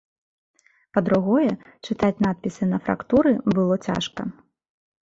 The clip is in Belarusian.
Па-другое, чытаць надпісы на фрактуры было цяжка.